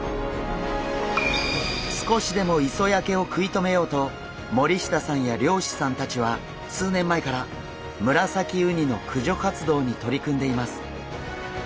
少しでも磯焼けを食い止めようと森下さんや漁師さんたちは数年前からムラサキウニの駆除活動に取り組んでいます。